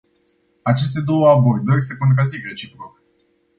Aceste două abordări se contrazic reciproc.